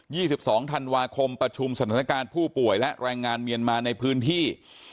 สิบสองธันวาคมประชุมสถานการณ์ผู้ป่วยและแรงงานเมียนมาในพื้นที่